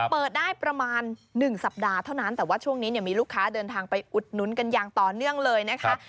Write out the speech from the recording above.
เปิดได้ประมาณ๑สัปดาห์เท่านั้นแต่ว่าช่วงนี้เนี่ยมีลูกค้าเดินทางไปอุดหนุนกันอย่างต่อเนื่องเลยนะคะ